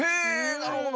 なるほど。